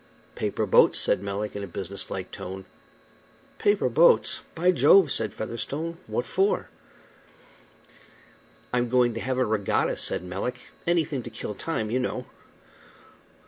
"Paper boats," said Melick, in a business like tone. "Paper boats! By Jove!" said Featherstone. "What for?" "I'm going to have a regatta," said Melick. "Anything to kill time, you know."